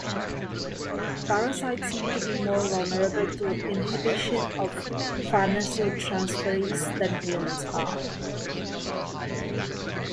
Parasites seem to be more vulnerable to inhibition of Farnesyl transferase than humans are.